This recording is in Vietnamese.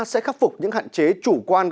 sẽ khắc phục những hạn chế chủ quan